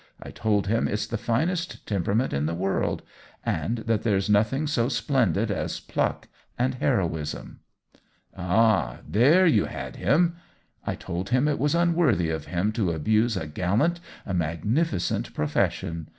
I told him it's the finest temperament in the world, and that there's nothing so splendid as pluck and heroism." OWEN WINGRAVE 175 " Ah ! there you had him,^'' " I told him it was unworthy of him to abuse a gallant, a magnificent profession.